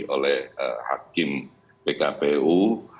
oleh hakim pkpu